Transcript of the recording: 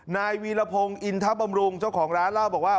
นายวีรพงศ์อินทบำรุงเจ้าของร้านเล่าบอกว่า